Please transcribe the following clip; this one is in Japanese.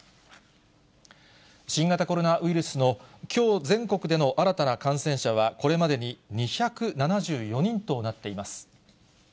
新型コロナウイルスのきょう全国での新たな感染者は、これまでに２７４人となっています。